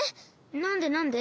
なんでなんで？